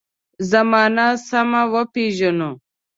زمانه سمه وپېژنو.